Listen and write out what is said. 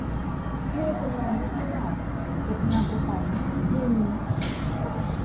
เครียดจนนอนไม่ค่อยหลับ เก็บงานไปฝัน ฮือ